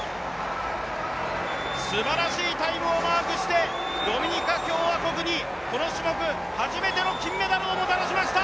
すばらしいタイムをマークしてドミニカ共和国に、この種目、初めての金メダルをもたらしました。